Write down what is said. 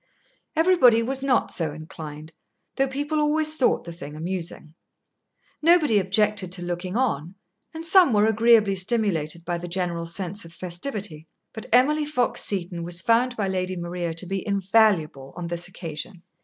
Everybody was not so inclined, though people always thought the thing amusing. Nobody objected to looking on, and some were agreeably stimulated by the general sense of festivity. But Emily Fox Seton was found by Lady Maria to be invaluable on this occasion.